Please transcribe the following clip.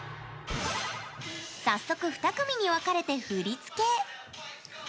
早速、２組に分かれて振り付け。